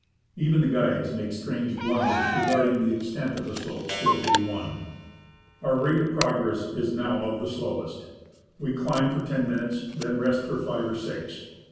Even the guides make strange blunders regarding the extent of slope still to be won. Our rate of progress is now of the slowest. We climb for ten minutes, and then rest for five or six.